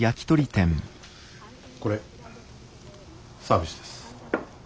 これサービスです。